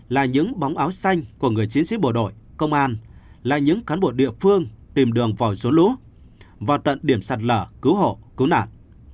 là những bóng áo xanh của người chiến sĩ bộ đội công an là những cán bộ địa phương tìm đường vòi rốn lũ vào tận điểm sạt lở cứu hộ cứu nạn